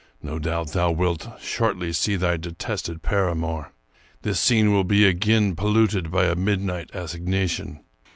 No doubt thou wilt shortly see thy detested paramour. This scene will be again polluted by a midnight assignation.